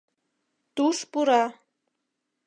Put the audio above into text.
Туш пура.